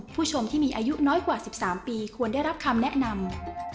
ผู้ชมที่มีอายุน้อยกว่า๑๓ปีควรได้รับคำแนะนำ